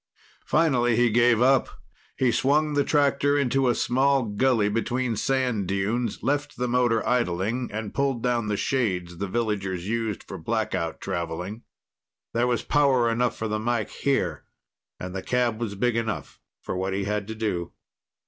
Finally he gave up. He swung the tractor into a small gulley between sand dunes, left the motor idling and pulled down the shades the villagers used for blackout traveling. There was power enough for the mike here, and the cab was big enough for what he had to do.